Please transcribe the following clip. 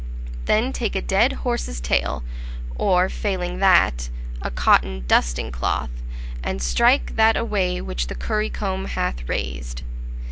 Then take a dead horse's tail, or, failing that, a cotton dusting cloth, and strike that away which the currycomb hath raised.